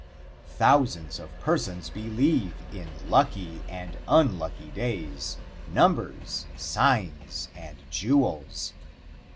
Thousands of persons believe in lucky and unlucky days, numbers, signs and jewels.